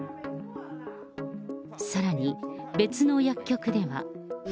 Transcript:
さらに、別の薬局では。